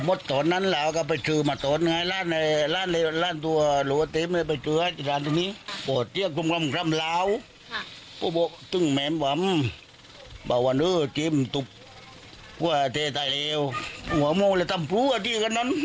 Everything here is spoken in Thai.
มันเกิดอะไรขึ้นถึงตัวสินใจทำแบบนี้มันจะช้อมอยู่นานเลยกัน